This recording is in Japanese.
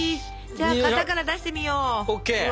じゃあ型から出してみよう。